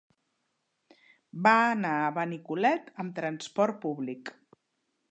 Va anar a Benicolet amb transport públic.